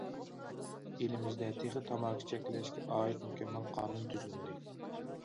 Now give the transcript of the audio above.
ئېلىمىزدە تېخى تاماكا چەكلەشكە ئائىت مۇكەممەل قانۇن تۈزۈلمىدى.